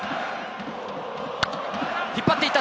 引っ張っていった！